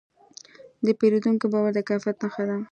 د پیرودونکي باور د کیفیت نښه ده.